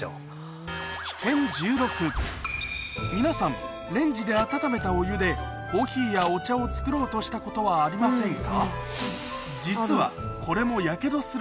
皆さんレンジで温めたお湯でコーヒーやお茶を作ろうとしたことはありませんか？